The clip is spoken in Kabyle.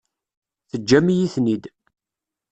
Teǧǧam-iyi-ten-id.